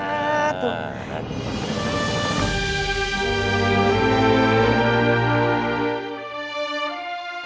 รักจ้าค่ะ